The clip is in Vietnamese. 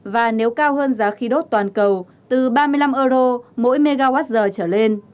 và nếu cao hơn giá khí đốt toàn cầu từ ba mươi năm euro mỗi mwh trở lên